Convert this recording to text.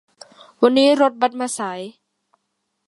วันนี้รถบัสมาสาย